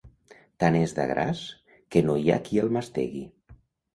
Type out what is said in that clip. Tant és d'agràs que no hi ha qui el mastegui.